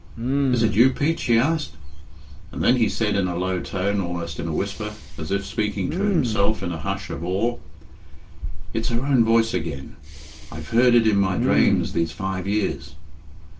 "Is it you, Pete?" she asked; and then he said in a low tone, almost in a whisper, as if speaking to himself in a hush of awe "It's her own voice again! I've heard it in my drames these five years."